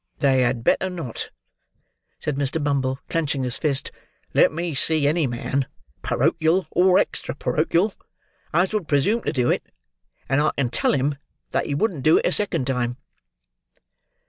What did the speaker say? "They had better not!" said Mr. Bumble, clenching his fist. "Let me see any man, porochial or extra porochial, as would presume to do it; and I can tell him that he wouldn't do it a second time!"